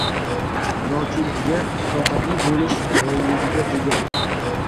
yoki unga toqatli bo‘lish moyilligiga ega